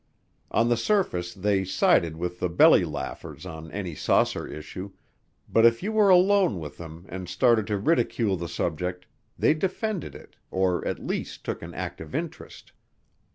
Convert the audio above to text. On the surface they sided with the belly laughers on any saucer issue, but if you were alone with them and started to ridicule the subject, they defended it or at least took an active interest.